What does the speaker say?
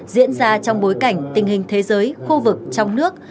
diễn ra trong bối cảnh tình hình thế giới khu vực trong nước